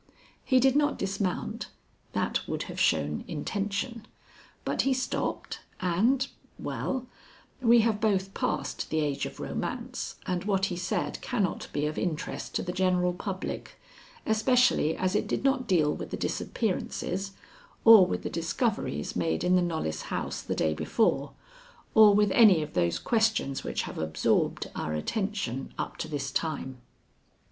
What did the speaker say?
He did not dismount that would have shown intention but he stopped, and well, we have both passed the age of romance, and what he said cannot be of interest to the general public, especially as it did not deal with the disappearances or with the discoveries made in the Knollys house the day before, or with any of those questions which have absorbed our attention up to this time.